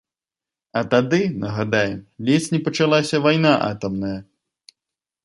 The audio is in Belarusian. А тады, нагадаем, ледзь не пачалася вайна атамная.